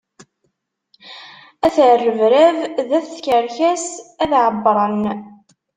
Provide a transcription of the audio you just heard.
At rrebrab d at tkerkas ad ɛebbṛen.